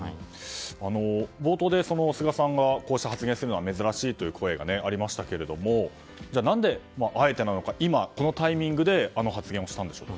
冒頭で菅さんがこうした発言をするのは珍しいという声がありましたが何であえて今このタイミングであの発言をしたんでしょうか。